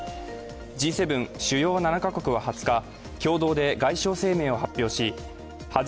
Ｇ７＝主要７か国は２０日共同で外相声明を発表し恥